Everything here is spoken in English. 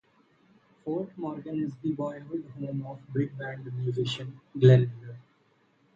Fort Morgan is the boyhood home of Big Band musician Glenn Miller.